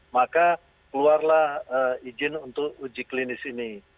maka keluarlah izin untuk uji klinis ini